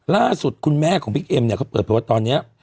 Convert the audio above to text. ล่าสุดคุณแม่ของพี่เอ็มก็เปิดเพราะว่าตอนนี้